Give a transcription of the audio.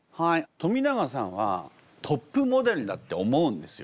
冨永さんはトップモデルだって思うんですよ